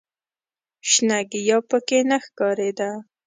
شنه ګیاه په کې نه ښکارېده.